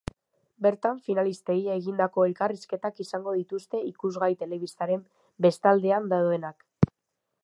Bertan, finalistei egindako elkarrizketak izango dituzte ikusgai telebistaren bestaldean daudenek.